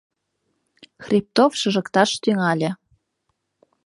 Хребтов шыжыкташ тӱҥале.